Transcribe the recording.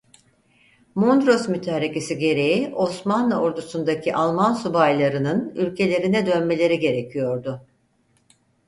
Mondros Mütarekesi gereği Osmanlı Ordusu'ndaki Alman subaylarının ülkelerine dönmeleri gerekiyordu.